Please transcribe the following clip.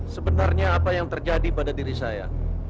sebenarnya apa yang terjadi pada diri saya